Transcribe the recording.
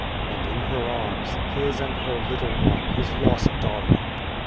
. and, in her arms, his and her little one, his lost darling